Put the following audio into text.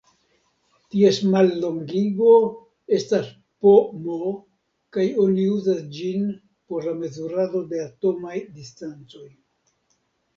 Ties mallongigo estas pm kaj oni uzas ĝin por la mezurado de atomaj distancoj.